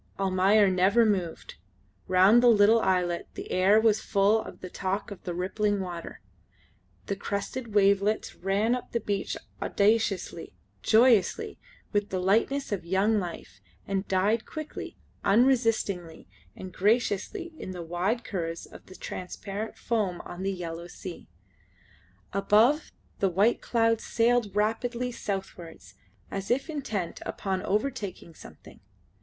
Almayer never moved. Round the little islet the air was full of the talk of the rippling water. The crested wavelets ran up the beach audaciously, joyously, with the lightness of young life, and died quickly, unresistingly, and graciously, in the wide curves of transparent foam on the yellow sand. Above, the white clouds sailed rapidly southwards as if intent upon overtaking something.